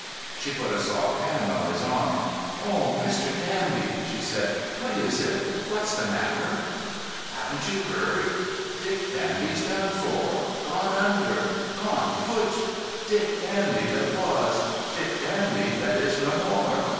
She put a soft hand on his arm. "Oh, Mr. Danby," she said, "what is it—what's the matter?" "Haven't you heard? Dick Danby's done for—gone under—gone phut. Dick Danby that was; Dick Danby that is no more.